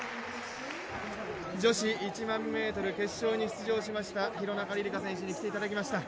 女子１００００ｍ決勝に出場しました廣中璃梨佳選手に来ていただきました。